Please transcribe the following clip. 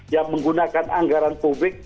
yang menggunakan anggaran publik